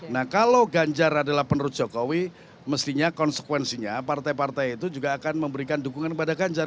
nah kalau ganjar adalah penerus jokowi mestinya konsekuensinya partai partai itu juga akan memberikan dukungan kepada ganjar